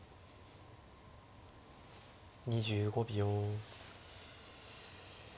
２５秒。